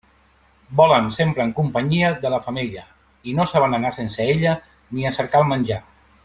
Volen sempre en companyia de la femella, i no saben anar sense ella ni a cercar el menjar.